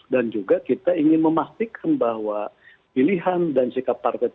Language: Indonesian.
dan juga kita ingin memastikan bahwa pilihan dan sikap partai itu